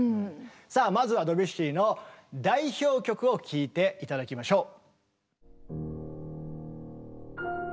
さあまずはドビュッシーの代表曲を聴いて頂きましょう。